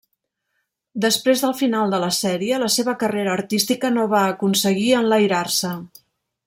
Després del final de la sèrie, la seva carrera artística no va aconseguir enlairar-se.